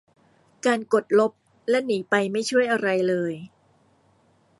การกดลบและหนีไปไม่ช่วยอะไรเลย